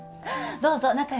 どうぞ中へ。